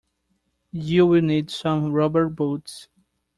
You will need some rubber boots.